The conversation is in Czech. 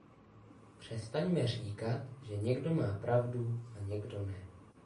Přestaňme říkat, že někdo má pravdu, a někdo ne.